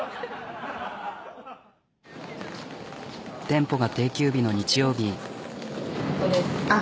店舗が定休日の日曜日。